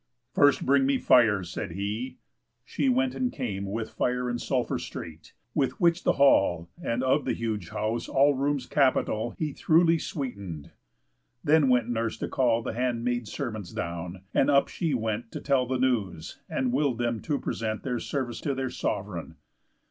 "First bring me fire," said he. She went and came With fire and sulphur straight; with which the hall And of the huge house all rooms capital He throughly sweeten'd. Then went nurse to call The handmaid servants down; and up she went To tell the news, and will'd them to present Their service to their sov'reign.